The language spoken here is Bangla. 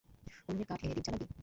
উনুনের কাঠ এনে দীপ জ্বালাবি?